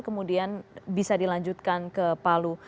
kemudian bisa dilanjutkan ke palu